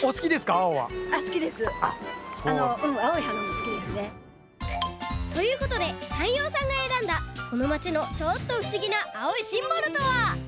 青は。ということで山陽さんがえらんだこのまちのちょっとふしぎな青いシンボルとは？